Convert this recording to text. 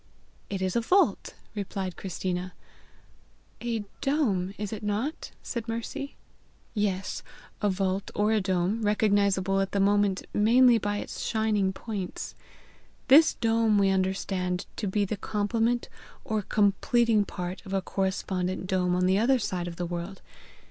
"It is a vault," replied Christina. "A dome is it not?" said Mercy. "Yes; a vault or a dome, recognizable at the moment mainly by its shining points. This dome we understand to be the complement or completing part of a correspondent dome on the other side of the world.